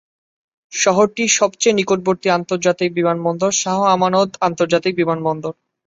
শহরটির সবচেয়ে নিকটবর্তী আন্তর্জাতিক বিমানবন্দর শাহ আমানত আন্তর্জাতিক বিমানবন্দর।